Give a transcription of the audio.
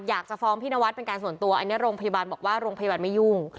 อยากจะฟ้องพี่นวัดเป็นการส่วนตัวอันนี้โรงพยาบาลบอกว่าโรงพยาบาลไม่ยุ่ง